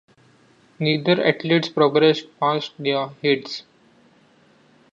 Neither athletes progressed past their heats.